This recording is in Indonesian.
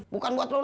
bukan buat lo lah